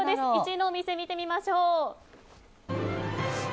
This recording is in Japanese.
１位のお店、見てみましょう。